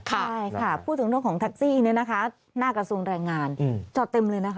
ใช่ค่ะพูดถึงเรื่องของแท็กซี่เนี่ยนะคะหน้ากระทรวงแรงงานจอดเต็มเลยนะคะ